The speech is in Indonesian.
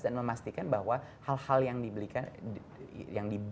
dan memastikan bahwa hal hal yang dibelikan